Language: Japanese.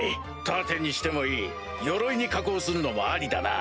盾にしてもいい鎧に加工するのもありだな。